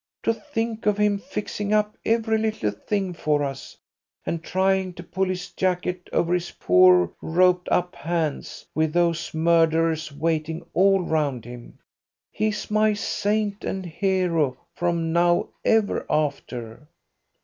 To think of him fixing up every little thing for us, and trying to pull his jacket over his poor roped up hands, with those murderers waiting all round him. He's my saint and hero from now ever after."